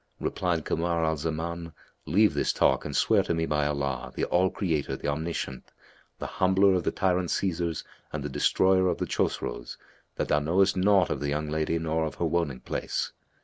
Replied Kamar al Zaman, "Leave this talk and swear to me by Allah, the All creator, the Omniscient; the Humbler of the tyrant Caesars and the Destroyer of the Chosroes, that thou knowest naught of the young lady nor of her woning place."